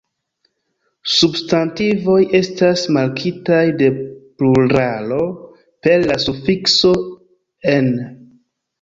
Substantivoj estas markitaj de pluralo per la sufikso "-en".